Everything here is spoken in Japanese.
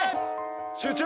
集中！